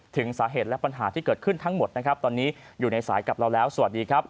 ถึงสาเหตุและปัญหาที่เกิดขึ้นทั้งหมดนะครับตอนนี้อยู่ในสายกับเราแล้วสวัสดีครับ